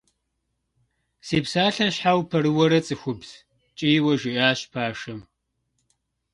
Си псалъэм щхьэ упэрыуэрэ, цӀыхубз? – ткӀийуэ жиӀащ пашэм.